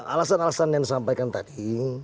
alasan alasan yang disampaikan tadi